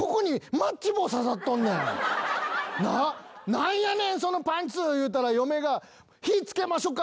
何やねんそのパンツ言うたら嫁が「火付けましょか？」